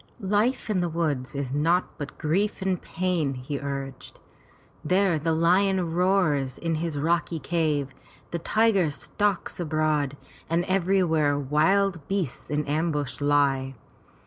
"Life in the woods is naught but grief and pain," he urged. "There the lion roars in his rocky cave, the tiger stalks abroad, and everywhere wild beasts in ambush lie.